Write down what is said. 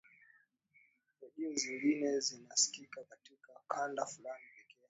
redio zingine zinasikika katika kanda fulani pekee